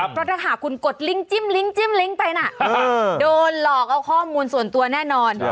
โทษนะคะคุณกดลิ้งค์จิ้มไปนะโดนหลอกเอาข้อมูลส่วนตัวแน่นอน